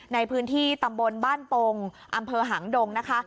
ในพื้นที่ตำบลบ้านปงอำเภอหางดงนะคะ